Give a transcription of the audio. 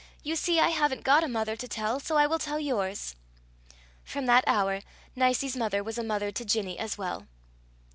You see I haven't got a mother to tell, so I will tell yours." From that hour Nicie's mother was a mother to Ginny as well.